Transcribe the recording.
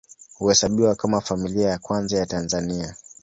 Huhesabiwa kama Familia ya Kwanza ya Tanzania.